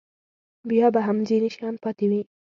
بیا به هم ځینې شیان پاتې وي.